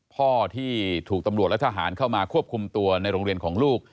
พ่อที่ถูกตำรวจและทหารเข้ามาควบคุมตัวในโรงเรียนของลูก